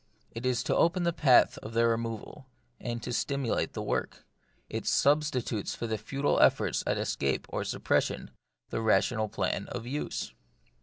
It is to open the path to their removal, and to stimulate the work. It substitutes for futile efforts at escape or suppression the rational plan of use.